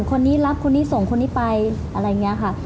คนนี้รับคนนี้ส่งคนนี้ไปอะไรอย่างนี้ค่ะ